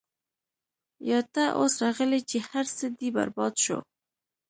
يا تۀ اوس راغلې چې هر څۀ دې برباد شو -